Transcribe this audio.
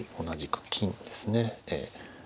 同じく金ですね。